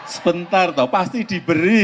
sebentar toh pasti diberi